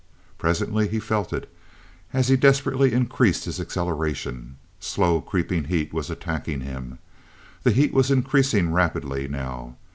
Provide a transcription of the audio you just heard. Presently he felt it, as he desperately increased his acceleration. Slow creeping heat was attacking him. The heat was increasing rapidly now.